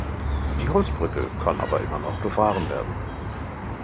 Die Holzbrücke kann aber immer noch befahren werden.